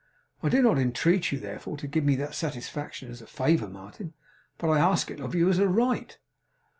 I do not intreat you, therefore, to give me that satisfaction as a favour, Martin, but I ask it of you as a right.